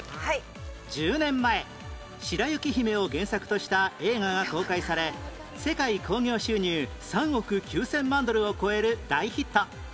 １０年前『白雪姫』を原作とした映画が公開され世界興行収入３億９０００万ドルを超える大ヒット